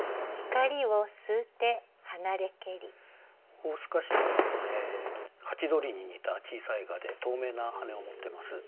大透翅蛾はハチドリに似た小さい蛾で透明な羽を持ってます。